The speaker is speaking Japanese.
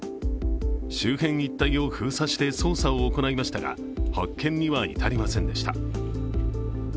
周辺一帯を封鎖して捜査を行いましたが、発見には至りませんでした。